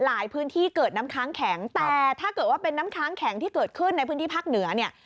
พื้นที่เกิดน้ำค้างแข็งแต่ถ้าเกิดว่าเป็นน้ำค้างแข็งที่เกิดขึ้นในพื้นที่ภาคเหนือเนี่ย